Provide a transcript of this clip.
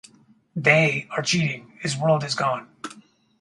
"They" are cheating; his world is gone.